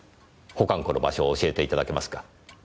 保管庫の場所を教えていただけますか？